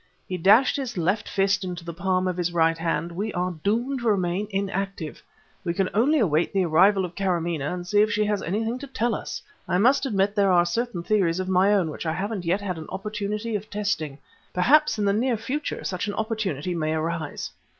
he dashed his left fist into the palm of his right hand "we are doomed to remain inactive. We can only await the arrival of Kâramaneh and see if she has anything to tell us. I must admit that there are certain theories of my own which I haven't yet had an opportunity of testing. Perhaps in the near future such an opportunity may arise."